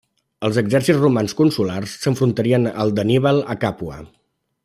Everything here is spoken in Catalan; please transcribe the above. Els exèrcits romans consulars s'enfrontarien al d'Anníbal a Càpua.